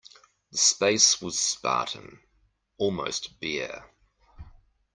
The space was spartan, almost bare.